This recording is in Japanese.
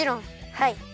はい。